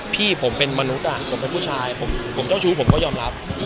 พี่ผมเป็นมนุษย์ผมเป็นผู้ชายผมเจ้าชู้ผมก็ยอมรับ